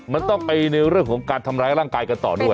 มันต้องไปในเรื่องของการทำร้ายร่างกายกันต่อด้วย